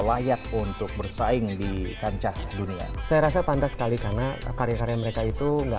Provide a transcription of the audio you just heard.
layak untuk bersaing di kancah dunia saya rasa pantas sekali karena karya karya mereka itu nggak